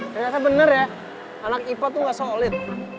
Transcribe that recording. ternyata bener ya anak ipo tuh gak solid